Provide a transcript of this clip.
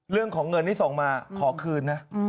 เรื่องของเงินที่ส่งมาขอคืนนะ